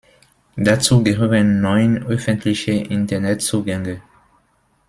Dazu gehören neun öffentliche Internet-Zugänge.